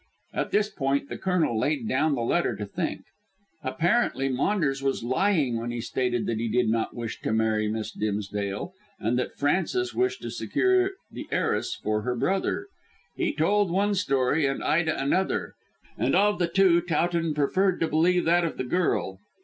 At this point the Colonel laid down the letter to think. Apparently Maunders was lying when he stated that he did not wish to marry Miss Dimsdale, and that Frances wished to secure the heiress for her brother. He told one story, and Ida another; and of the two Towton preferred to believe that of the girl.